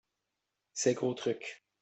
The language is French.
Ces gros trucs.